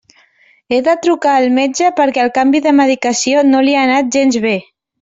He de trucar al metge perquè el canvi de medicació no li ha anat gens bé.